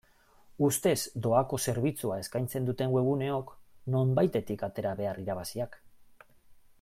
Ustez doako zerbitzua eskaitzen duten webguneok nonbaitetik atera behar irabaziak.